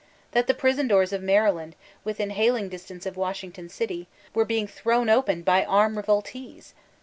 that the prison doors of Maryland, within hailing distance of Washington City, were being thrown open by armed re voltees